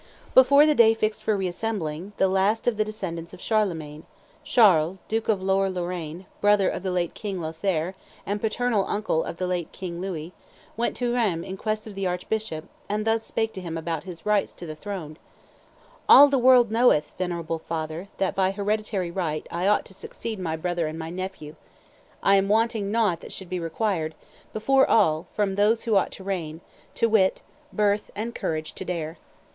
Before the day fixed for re assembling, the last of the descendants of Charlemagne, Charles, duke of Lower Lorraine, brother of the late King Lothaire, and paternal uncle of the late King Louis, "went to Rheims in quest of the archbishop, and thus spake to him about his rights to the throne: 'All the world knoweth, venerable father, that, by hereditary right, I ought to succeed my brother and my nephew. I am wanting in nought that should be required, before all, from those who ought to reign, to wit, birth and the courage to dare.